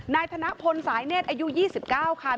นายธนพลสายเนธอายุ๒๙ค่ะ